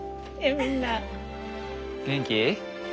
元気？